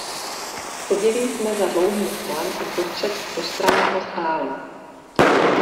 Seděli jsme za dlouhým stolem uprostřed prostranného sálu.